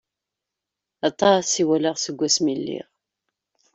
Aṭas i walaɣ seg wasmi i lliɣ...